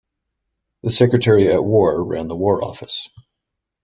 The Secretary at War ran the War Office.